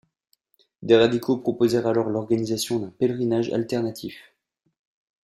Des radicaux proposèrent alors l'organisation d'un pèlerinage alternatif.